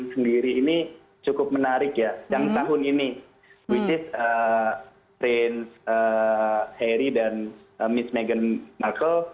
jadi kalau saya lihat listamu sendiri ini cukup menarik ya yang tahun ini yaitu prince harry dan miss meghan markle